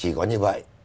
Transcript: chỉ có như vậy